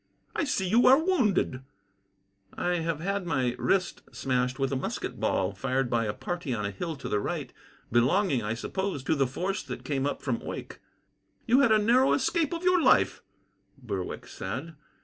"I see you are wounded." "I have had my wrist smashed with a musket ball, fired by a party on a hill to the right, belonging, I suppose, to the force that came up from Oycke." "You had a narrow escape of your life," Berwick said.